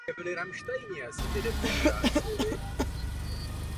Na Jamajce je dostupné mnoho druhů tropického ovoce.